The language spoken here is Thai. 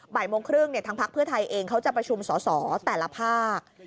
บ่ายโมงครึ่งทางพักเพื่อไทยเองเขาจะประชุมสอสอแต่ละภาค